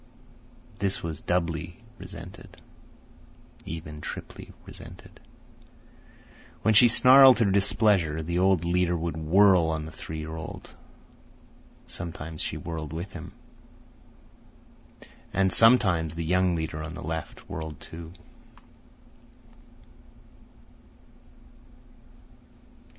This was doubly resented, even triply resented. When she snarled her displeasure, the old leader would whirl on the three year old. Sometimes she whirled with him. And sometimes the young leader on the left whirled, too.